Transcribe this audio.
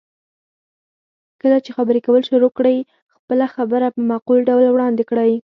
کله چې خبرې کول شروع کړئ، خپله خبره په معقول ډول وړاندې کړئ.